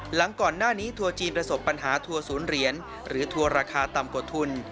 หลังก่อนหน้านี้ทัวร์จีนประสบปัญหาทัวร์ศูนย์เหรียญหรือทัวร์ราคาต่ำกว่าทุน